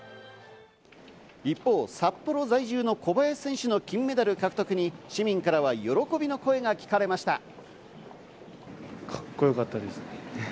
一方、札幌在住の小林選手の金メダル獲得に市民からは喜びの声が聞かれました。